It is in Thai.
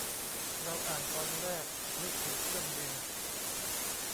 เราอ่านตอนแรกนึกถึงเครื่องบิน